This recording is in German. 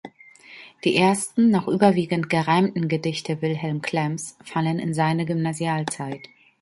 Die ersten, noch überwiegend gereimten Gedichte Wilhelm Klemms fallen in seine Gymnasialzeit.